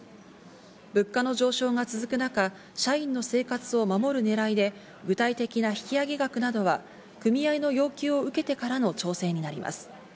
物価の上昇が続く中、社員の生活を守る狙いで、具体的な引き上げ額などは組合の要求を受けてからの調整になります。